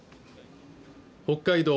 北海道